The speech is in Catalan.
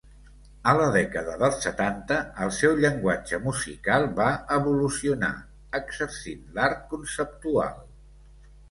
A la dècada dels setanta el seu llenguatge musical va evolucionar, exercint l'Art conceptual.